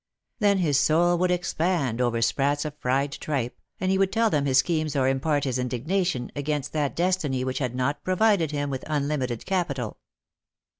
Then his soul would expand over sprats or fried tripe, and he would tell them his schemes or impart his indignation against that destiny which had not provided him with unlimited capital.